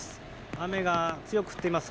雨が強く降っています。